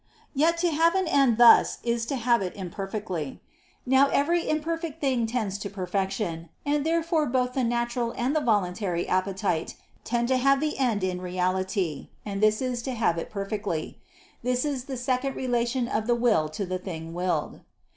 Yet to have an end thus is to have it imperfectly. Now every imperfect thing tends to perfection. And therefore both the natural and the voluntary appetite tend to have the end in reality; and this is to have it perfectly. This is the second relation of the will to the thing willed.